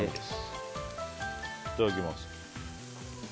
いただきます。